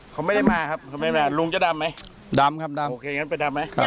เขาไม่ได้มาครับเขาไม่มาลุงจะดำไหมดำครับดำโอเคงั้นไปดำไหมครับ